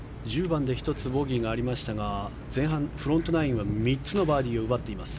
１０番で１つボギーがありましたが前半、フロントナインは３つバーディーを奪っています。